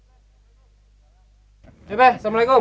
oke be assalamualaikum